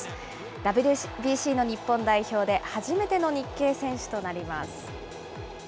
ＷＢＣの日本代表で初めての日系選手となります。